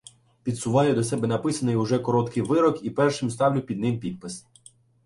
Підсуваю до себе написаний уже короткий вирок і першим ставлю під ним підпис.